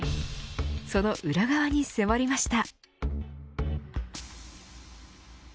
その裏側に迫りました。